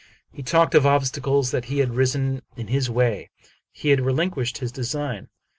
He talked of obstacles that had risen in his way. He had relinquished his design.